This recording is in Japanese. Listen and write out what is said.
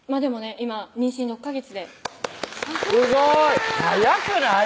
今妊娠６ヵ月ですごい早くない？